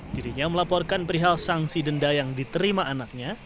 dirinya melaporkan perihal sanksi denda yang diterima anaknya